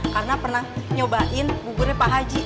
karena pernah nyobain buburnya pak haji